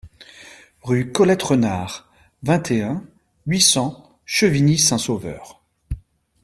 Rue Colette Renard, vingt et un, huit cents Chevigny-Saint-Sauveur